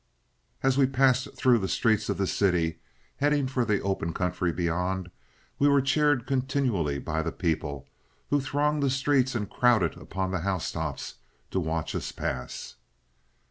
As we passed through the streets of the city, heading for the open country beyond, we were cheered continually by the people who thronged the streets and crowded upon the housetops to watch us pass.